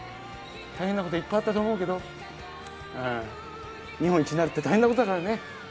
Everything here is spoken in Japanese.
大変なこといっぱいあったと思うけど、日本一になるって大変なことだからね。